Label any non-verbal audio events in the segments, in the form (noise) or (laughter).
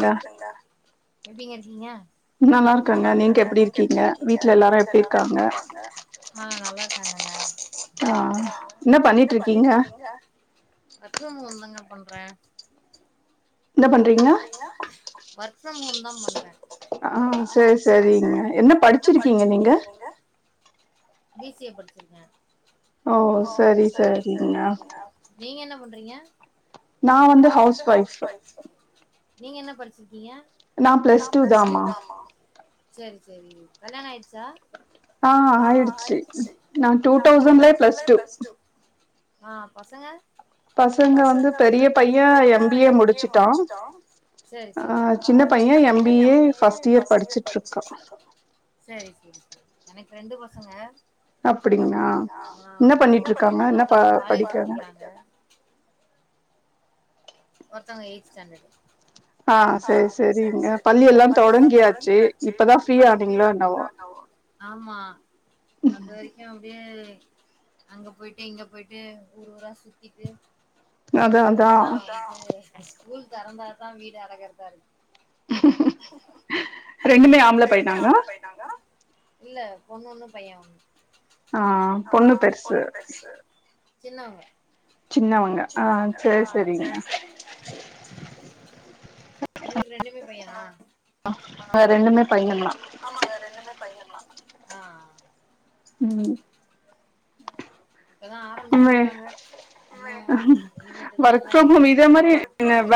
கேக்குதுங்ளா எப்பிங்க இருக்கிங்க நல்லா இருக்கங்க நீங்க எப்டி இருக்கிங்க வீட்ல எல்லாரு எப்டி இருக்காங்க ஆ என்ன பண்ணிட்ருக்கிங்க வர்க் ஃப்ரம் ஹோம்தாங்க பண்ற என்ன பண்றீங்க வொர்க் ஃப்ரம் ஹோம்தா பண்ற ஆ செர் செரிங்க என்ன படிச்சிருக்கீங்க நீங்க பி சி ஏ படிச்சிருக்கே நீங்க என்ன பண்றீங்க? நா வந்து ஹவுஸ் ஒய்ஃப் நீங்க என்ன படிச்சிருக்கீங்க? நா பிளஸ் டூ தாமா செரி சேரி கல்யாணோ ஆய்டுச்சா? ஆ ஆய்டுச்சு நா டூடௌசண்ல பிளஸ் டூ ஆ பசங்க பசங்க வந்து பெரிய பைய எம் பி ஏ முடிச்சுட்டா ட்டா அ சின்ன பைய M B A first year படிச்சிட்டு இருக்கா சரி சரி சரி எனக் ரெண்டு பசங்க ஒருத்தவங்க காலேஜ் படிக்கிறாங்க ஒர்த்தவங்க எய்ட்த் ஸ்டேண்டடு ஆ செர் செரிங்க பள்ளி எல்லா தொடங்கியாச்சு இப்பதா ஃப்ரீயா ஆகுனிங்களா என்னவோ ஆமா அதுவரிக்கும் அப்டியே அங்க போய்ட்டு இங்க போய்ட்டு ஊர் ஊரா சுத்திட்டு அதா அதா ஸ்கூல் தெறந்தாதா வீடு அடங்குறதா ருக் ரெண்டுமே ஆம்புள பையனாங்க இல்ல பொண்ணு ஒன்னு பையே ஒன்னு ஆ பொண்ணு பெர்சு சின்னவங்க சின்னவங்க ஆ செர் செரிங்க உங்ளுக்கு ரெண்டுமே பையனா ஆ ரெண்டுமே பையன்தா ம் இப்பதா ஆரம்ச்சிருக்காங்க என்ன இனிமேட்டுதா எல்லா எக்ஸாம்க்குலா வரு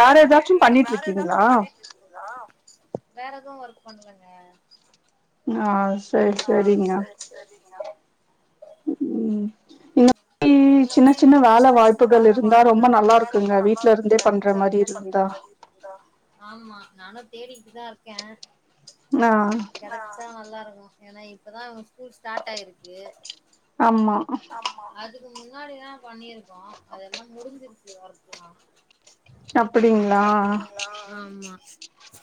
இத மாறி வே வேற எதாச்சும் பண்ணிட்ருக்கீங்களா? வேற எதுவு ஒர்க் பண்லங்க ஆ ஆ சர் சரிங்க ம் என் (inaudible) இ சின்ன சின்ன வேல வாய்ப்புகள் இருந்தா ரொம்ப நல்லாருக்குங்க வீட்லருந்தே பண்ற மாறி இருந்தா ஆமா நானு தேடிகிட்டுதா இருக்கே கெடச்சா நல்லாருக்கூ ஏனா இப்பதா இவ்ங் கூல் ஸ்டாட் ஆய்ருக்கு அதுக்கு முன்னாடிதா பண்ணிருக்கோ அதெல்லா முடிஞ்சிருச்சு வொர்க்லா அப்டிங்ளா ஆமா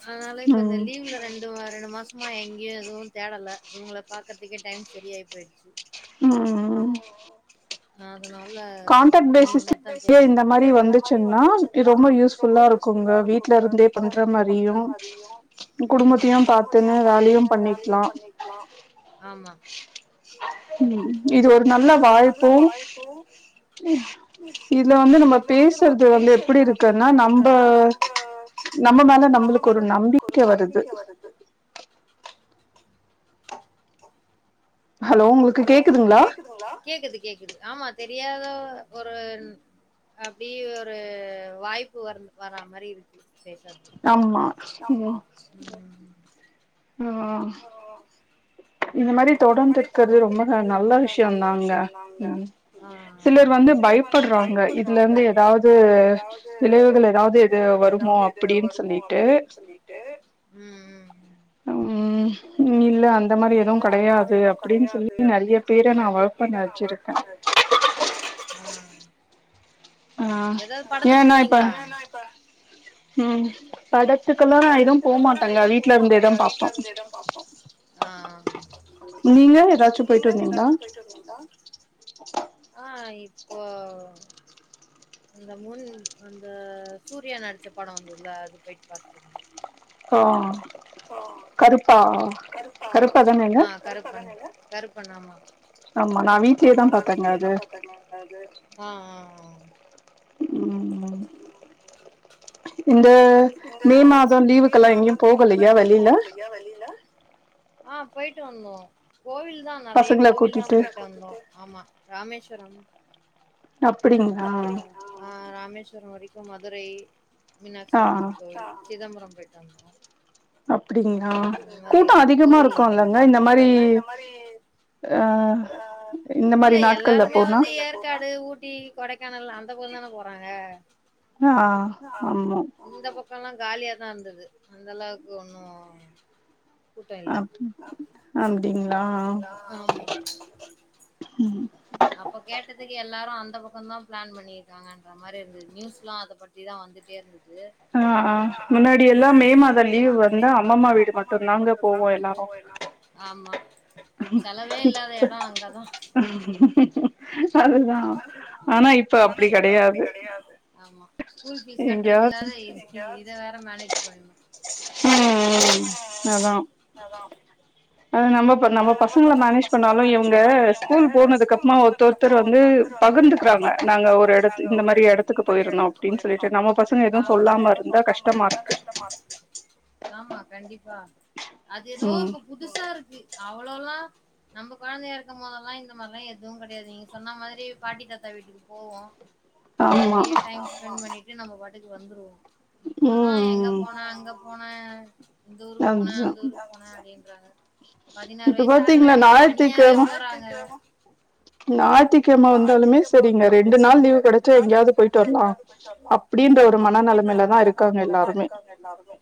அதனால இப்ப இந்த லீவ்ல ரெண்டு வார ரெண்டு மாச்மா எங்யு எதுவு தேடல்ல இவுங்கள பாக்கறதுக்கே டைம் சரியாயி போய்டுச்சு அ கான்டட் பேசிஸ் க்கே இந்த மாறி வந்துச்சுன்னா இது ரொம்ப யூஸ் ஃபுல்லா இருக் க்குங்க வீட்டுல இருந்தே பண்ற மாறியு குடும்பத்தையும் பத்துன்னு வேலையும் பண்ணிக் க்லா ஆமா இது ஒரு நல்ல வாய்ப்பு இதுல வந்து நம்ம பேசுறது வந்து எப்டி இருக்குன்னா நம்ப நம்ப மேல நம்மளுக்கு ஒரு நம்பிக்க வருது (inaudible) கேக்குது கேக்குது ஆமா தெரியாத ஒருன் அப்டியே ஒரு வாய்ப்பு வரனு வரா மாரி இருக்கு ஆமா ஆமா ம் ம் இந்த மாரி தொடர்ந்து இருக்கர்து ரொம்ப நல்ல விஷயோ தாங்க சிலர் வந்து ப யப்பட்றாங்க இதுல இருந்து எதாவ்து விளைவுகள் எதாவ்து இது வருமோ அப்டினு ம் சொல்லி ம் இல்ல அந்த மாரி எதுவு கெடையாது அப்டின்னு சொல்லி நெறைய பேர நா ஒர்க் பண்ண வச்சிருக்கே ம் எதாது படத்துக்கு போனீங்ளா ம் படத்துக்கலா நா எதுவு போ மாட்டேங்க வீட்ல இருந்தே தா பாப்போ ஆஹ் நீங்க எதாச்சு பொய்ட்டு வந்திங்ளா ஓ அந்த முன் அந்த சூர்யா நடிச்ச படோ வந்ததுல அது போய் பாத்துட்டு வந்தோ ஓ கருப்பா கருப்பா தானேங்க கருப்பன் ஆமா ம் இந்த மே மாதோ லீவுக்கெல்லா எங்கேயு போகலயா வெளில ஆ பொயிட்டு வந்தோ கோவில் தா நெறையா கோவில் தா பொயிட்டு வந்தோ ஆமா ராமேஸ்வரம் அப்டிங்ளா (unintelligible) வரைக்கு மதுரை மீனாட்சி அம்மன் கோவில் சிதம்பரோ பொயிட்டு வந்தோ அப்டிங்ளா கூட்டோ அதிகமா இருக்கு இல்லங்க இந்த மாரி இல்ல எல்லாருமே வந்து ஏற்காடு ஊட் ஊட்டி கொடைக்கானல் அந்த பக்கோ தானே போறாங்க ஆ ஆமாம் அப்பலா காலியாதா இருந்துது அந்த அளவுக்கு ஒன்னு அப் அப்டிங்ளா ம் எல்லாரு அந்த பக்கோ தா பிளான் பண்ணிருக்காங்ன்ற மாரி இருந்தது நியூஸ்லா அத பத்தி தா வந்துட்டே இருந்தது ஆ ஆ முன்னாடி எல்லா மே மாத லீவ் வந்த அம்மா அம்மம்மா வீடு மட்டு தாங்க போவோ எல்லாரு செலவே இல்லாத எடோ அங்கதா அதுதா ஆனா இப் ப அப்டி கெடையாது ம் அதா அ நம்ப நம்ப பசங்கள மேனேஜ் பண்ணாம இவங்க ஸ்கூல் போனதுகப்மா தொறத்ராங்க இது பகிர்ந்துகிறாங்க நாங்க ஒரு எடத் இந்த மாரி எடத்துக்கு பொயிருந்தோ அப்டின்னு சொல்லிட்டு ஆமா அதுதா கஷ்டமா இருக்கு புதுசா இருக்கு அவ்லோலா நம்ப கொழந்தையா இருக்கம் போதெல்லா இந்த மாரிலா எதுவு கெடையாது நீங்க சொன்ன மாதிரி பாட்டி தாத்தா வீட்டுக்கு போவோ அங்கேயே டைம் ஸ்பெண்ட் பண்ணிட்டு நம்ப பாட்டுக்கு வந்துருவோ இப்பதா எங்க போன அங்க போன இந்த ஊருக்கு போனே அந்த ஊருக்கு போனே அப்டின்றாங்க பதினாறு வயசு ஆகல எல்லா தனியாவே போறாங்க நாயித்துகிழம வந்தாலுமே செரிங்க ரெண்டு நாள் லீவு் கெடச்சா எங்கயாது பொயிட்டு வரலா அப்டின்ற ஒரு மனநெலமைல தா இருக்காங்க எல்லாருமே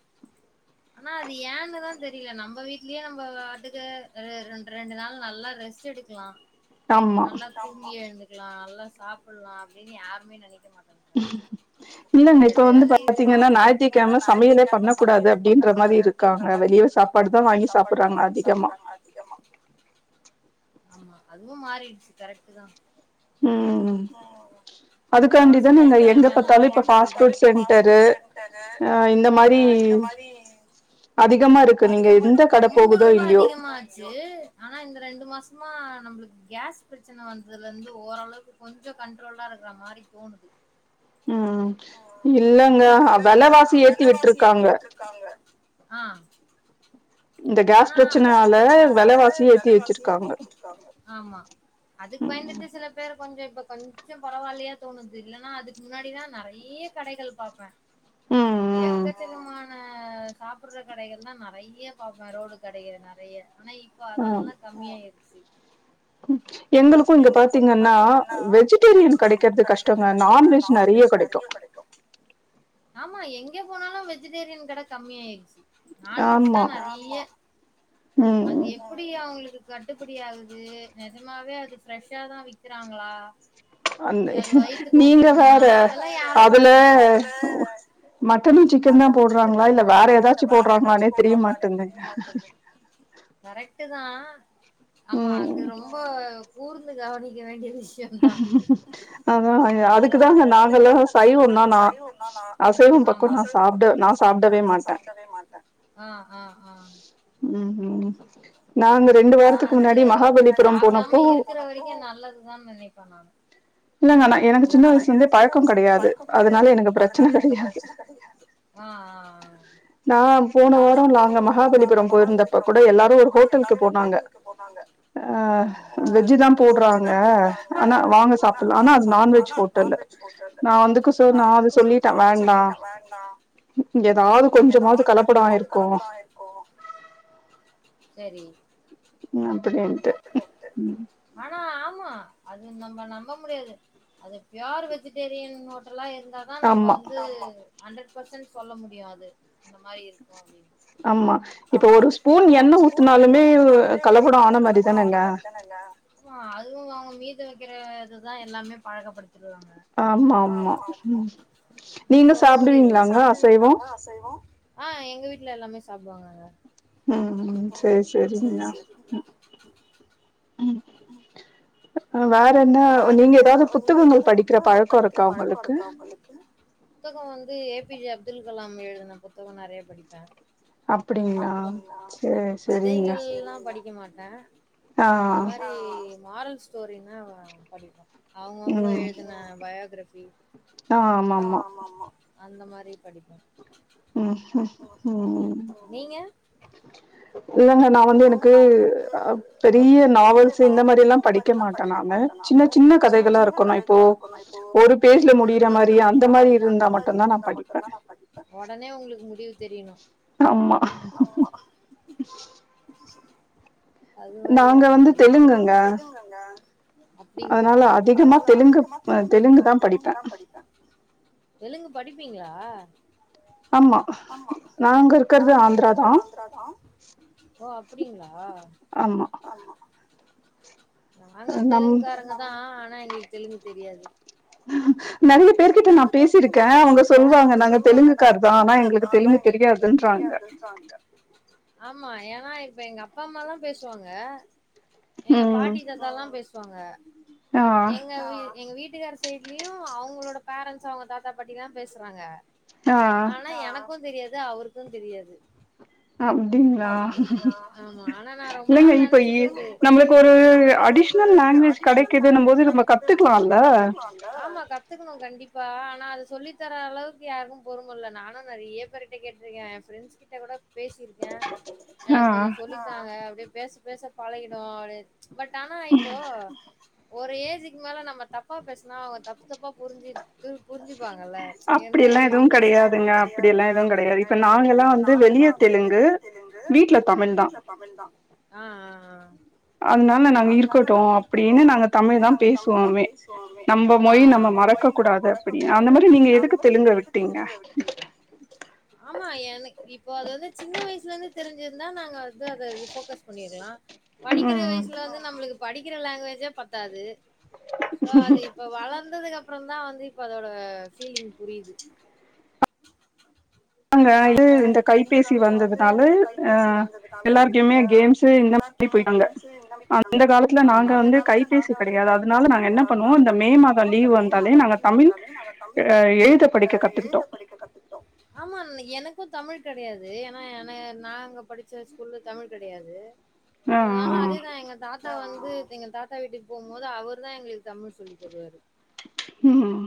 ஆனா அது ஏன்னுதா தெரில நம்ப வீட்லயே நம்ப பாட்டுக்கு ரெண்டு ரெண்டு நாள் நல்லா ரெஸ் டு எடுக்கலா நல்லா தூங்கி எழுந்துக்கலாம் நல்லா சாப்பிடலாம் அப்படின்னு யாருமே நினைக்க மாட் இல்ல இப்ப வந்து பாத்தீங்கன்னா ஞாயிற்றுக்கிழமை சமையலே பண்ண கூடாது சமையலே பண்ணக்க கூடாது அப்படிங்கற மாதிரி இருக்காங்க வெளியில சாப்பாடு தான் வாங்கி சாப்பிடுறாங்க அதிகமா ஆமா அதுவும் மாறிடுச்சு கரெக்டு தான் (inaudible) அதுக்காண்டிதான இந்த எங்க பாத்தாலும் இப்ப பாஸ்புட் சென்டரு ம்ஹ் இந்த மாரி இந்த மாரி அதிகமா இருக் அதிகமா இருக்கு ரொம்ப ரொம்ப அதிகமா இருக்கு ஆனா இந்த ரெண்டு மாசமா நம்மளுக்கு கேஸ் பிரச்சனை வந்ததிலிருந்து ஓரளவுக்கு கொஞ்சம் கண்ட்ரோல்லா இருக்கற மாதிரி தோணுது ம்ம் இல்லங்க விலவாசி ஏத்தி விட்ருக்காங்க ஆஹ் ஆனா இந்த கேஸ் பிரச்சனால வெலவாசிய ஏத்தி வச்சிருக்காங்க ஆமா அதுக்கு பயந்துட்டு சில பேரு கொஞ்ச இப்ப கொஞ்சம் பரவாயில்லையா தோணுது இல்லனா அதுக்கு முன்னாடிலா நெறைய கடைகள் பாப்பேன் எக்கச்சக்கமா ஆஹ் சாப்பிடுற கடைகள் தான் நெறைய பாப்பேன் ரோடு கடைகள் நெறைய ஆனா இப்போ அதெல்லாம் கம்மியாயிருச்சு எங்காச்சும் இங்க பாத்தீங்கன்னா வெஜிடேரியன் கிடைக்கிறது கஷ்டம்ங்க நான்வெஜ் நெறைய கிடைக்கு ஆமா எங்க போனாலும் வெஜிடேரியன் கடை கம்மியாயிருச்சு நான்வெஜ் தான் நெறைய அது எப்படி அவுங்களுக்கு கட்டுபடி ஆகுது நிஜமாவே அது ஃப்ரெஷ்ஷா தா விக்கிறாங்களா அன்னை நீங்க வேற அதெல்லாம் யாரும் பாக்குறது இல்ல அதுல மட்டனும் சிக்கனும் தான் போடுறாங்களா இல்ல வேற ஏதாச்சும் போடுறாங்களானே தெரிய மாட்டுங்குது கரெக்ட்டு தா ஆமா அது ரொம்ப கூர்ந்து கவனிக்க வேண்டிய விஷயம் அதான் அதுக்குதான நாங்களே அ சைவம் தான் நா அசைவம் பக்கம் நான் சாப்ட்ட நா சாப்பிடவே மாட்டேன் ஆஹ் ஆஹ் ஆஹ் உம் உம் நாங்க ரெண்டு வாரத்துக்கு முன்னாடி மகாபலிபுரம் போனப்போ நல்லதுதான் நினைப்ப நா இல்லங்கண்ணா எனக்கு சின்ன வயசுல இருந்தே பழக்கம் கிடையாது அதனால எனக்கு பிரச்சனை கிடையாது ஆஹ் ஆஹ் ஆஹ் நா போன வாரம் நாங்க மகாபலிபுரம் போயிருந்தப்ப கூட எல்லாரும் ஒரு ஹோட்டலுக்கு போனாங்க அ வெஜ்ஜி தான் போடுறாங்க ஆனா வாங்க சாப்பிடலாம் ஆனா ஆனா அது நான்வெஜ் ஹோட்டலு நா வந்துட்டு சொ நா வந்து சொல்லிட்டேன் வேண்டா ஏதாவது கொஞ்சமாவது கலப்படம் ஆயிருக்கும் சேரி உ அப்படின்ட்டு உம் ம்ஹ் அது நம்ம நம்ப முடியாது அது ப்யூர் வெஜிடேரியன் ஹோட்டலா என்னனு அப்பதா நம்ம வந்து ஹண்ட்ரெட் ப்ரெஸண்ட் சொல்ல முடியாது இந்த மாதிரி இருக்கும் அப்டின்ட்டு ஆமா இப்ப ஒரு ஸ்பூன் எண்ணெய் ஊத்தினாலுமே கலப்படம் ஆன மாரி தானேங்க அதுவும் அவுங்க மீத வைக்கிற இதுதான் எல்லாமே பழகப்படுத்த ஆமா ஆமா நீங்க சாப்பிடுவீங்களாங்க அசைவம் ஆஹ் எங்க வீட்டுல எல்லாமே சாப்பிடுவாங்கங்க உம் உம் சேரி சேரிங்கனா உம் உம் ஹ் வேற என்ன நீங்க ஏதாவது புத்தகங்கள் படிக்கிற பழக்கம் இருக்கா உங்களுக்கு புத்தகம் வந்து A P J Abdul Kalam எழுதின புத்தகம் நெறைய படிப்பேன் அப்படிங்களா சேரி சேரிங்க க்க மாட்டேன் இந்த மாதிரி மாரல் ஸ்டோரினா படிப்போம் அவங்கவுங்க எழுதின பயோஃகிரப் பி அந்த மாதிரி படிப்பன் உஹம் உம் இல்லங்க நான் வந்து எனக்கு பெரிய நாவல்ஸ் இந்த மாதிரி எல்லாம் படிக்க மாட்டேன் நானு சின் ன சின்ன கதைகளா இருக்கணும் இப்போ ஒரு பேஜ்ல முடியிற மாதிரி அந்த மாதிரி இருந்தா மட்டுந்தான் நான் படிப் உடனே உங்களுக்கு முடிவு ஆம்மா (inaudible) நாங்க வந்து தெலுங்குங்க அதனால அதிகமா தெலுங்கு தெலுங்கு தான் படிப்பேன் தெலுங்கு படிப்பீங்களா ஆமா நாங்க இருக்கிறது ஆந்திர தான் ஓ அப்டிங்களா ஆம்மா நாங்க தெலுங்குக்காரங்க தான் ஆனா எங்களுக்கு தெலுங்கு தெரியாது நல்ல பேர் கிட்ட நான் பேசிருக்கேன் அவங்க சொல்லுவாங்க நாங்க தெலுங்குக்கார் தான் ஆனா எங்களுக் தெலுங்கு தெரியாதுன்றாங்க ஆனா இப்ப எங்க அப்பா அம்மால்லாம் பேசுவாங்க எங்க பாட்டி தாத்தால்லாம் பேசுவாங்க எங்க வீ எங்க வீட் வீட்டுக்கார் சைட்லயும் அவங்களோட பேரன்ஸ் அவங்க தாத்தா பாட்டில்லா பேசுறாங்க ஆஹ் ஹ தெரியாது அவருக்கும் தெரியாது ஆமா ஆனா ந ரொம்ப இல்லைங்க இப்ப நம்மளுக்கு ஒரு அடிஷ்னல் லாங்குவேஜ் கிடைக்குதுன்னும் போது நம்ம கத்துக்கலால்ல ஆமா கத்துக்கணும் கண்டிப்பா ஆனா அது சொல்லி தர அளவுக்கு யாருக்கும் பொருமல்ல நானும் நிறைய பேர்கிட்ட கேட்டிருக்கேன் என் பிரரெண்ட்ஸ் கிட்ட கூட பேசிருக்கேன் எனக்கு கொஞ்சம் சொல்லித்தாங்க அப்டியே பேச பேச பழகிடும் அப்டின் பட் ஆனா இப்போ ஒரு ஏஜுக்கு மேல நம்ம தப்பா பேசனா அவங்க தப்பு தப்பா புரிஞ்சு அப்டியெல்லா எதுவு கிடையாதுங்க அப்டியெல்லா எவும் கிடையாது இப்ப நாங்கள் ளா வந்து வெளிய தெலுங்கு வீட்ல தமிழ் தான் அதனால நாங்க இருக்கட்டோம் அப்படின்னு நாங்க தமிழ் தான் பேசுவோமே நம்ம மொழி நம்ம மறக்க கூடாது அப்படின்னு அந்த மாதிரி நீங்க எதுக்கு தெலுங்க விட்டீங்க ஆமா எனக்கு இப்போ அது வந்து சின்ன வயசுல இருந்து தெரிஞ்சிருந்தா நாங்க வந்து அத போக்கஸ் பண்ணிருக்கலாம் படிக்கிற வயசுல வந்து நம்மளுக்கு படிக்கிற லாங்குவேஜே பத்தாது சோ அது இப்ப வள வந்ததுக்கு அப்புறம் தான் வந்து இப்ப அதோட பீலிங் புரியுது அங்க இது இந்த கைபேசி வந்ததுனால அஹ் எல்லாருக்குையுமே கேம்ஸ் இந்த மே கேம்ஸு இந்தமாதி போயிட்ங்க அந்த காலத்துல நாங்க வந்து கைபேசி கிடையாது அதனால நாங்க என்னப் பண்ணுவோ அந்த மே மாதம் லீவ் வந்தாலே நாங்க தமிழ் அஹ் எழுத படிக்க கத்துகுட்டோம் ஆமா எனக்கும் தமிழ் கிடையாது ஏன்னா என நாங்க படிச்ச ஸ்கூல்ல தமிழ் கிடையாது அதனால அதேதான் எங்க தாத்தா வந் து எங்க தாத்தா வீட்டுக்கு போகும்போது அவர் தான் எங்களுக்கு தமிழ் சொல்லி தருவாரு உம்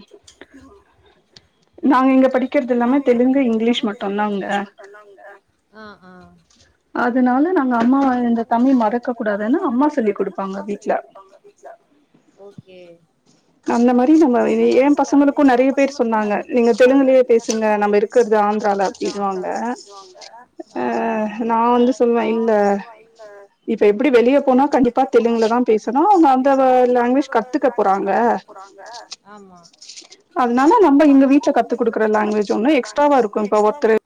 நாங்க இங்க படிக்கிறது எல்லாமே தெலுங்கு இங் எல்லாமே தெலுங்கு இங்கிலீஷ் மட்டு தாங்க அதனால நாங்க அம்மா இந்த தமிழ் மறக்க கூடாதுன்னா அம்மா சொல்லி குடுப்பாங்க வீட்டுல ஓகே அந்த மாரி நம்ம என் பசங்களுக்கு நெறைய பேர் சொன்னாங்க நீங்க தெலுங்கலயே பேசுங்க நம்ம இருக் சுங்க நம்ம இருக்கறது ஆந்திரால அப்டின்னுவாங்க நா வந்து சொல்லுவே இல்ல இப்ப எப்படி வெளிய போனா கண்டிப்பா தெலுங்குலதா பேசுனோ ஆ பேசனோ அவுங்க அந்த லாங்குவேஜ் கத்துக்க போறாங்க ஆமா அதனால நம்ம எங்க வீட்ல கத்து குடுக்கற லாங்குவேஜ் ஒண்ணு எக்ஸ்ட்ராவா இருக்கு இப்ப ஒருத்தரு